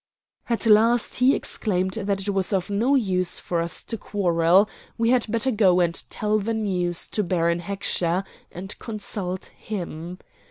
At last he exclaimed that it was no use for us to quarrel; we had better go and tell the news to Baron Heckscher and consult him.